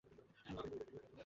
তোমার সমস্যাটা কী?